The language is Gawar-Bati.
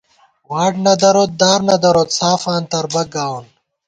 واٹ نہ دروت، دار نہ دروت ،سافہ انتر بَک گاوون